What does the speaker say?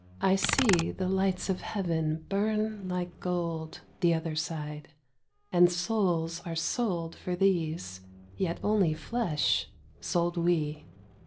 I see The lights of Heaven burn like gold The other side ; and Souls are sold For these, yet only flesh, sold we